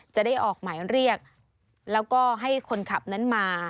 จะได้ออกหมายเรียกแล้วก็ให้คนขับนั้นมา